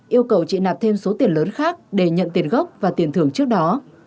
yêu cầu chị nạp thêm số tiền lớn khác để nhận tiền gốc và tiền thưởng trước đó